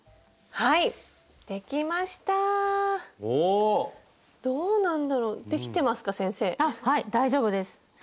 はい大丈夫です。